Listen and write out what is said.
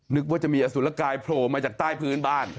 นึกว่าจะมีอสุรกายโผล่มาจากใต้พื้นบ้าน